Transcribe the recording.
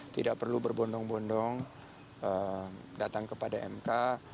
tidak perlu berbondong bondong datang kepada mk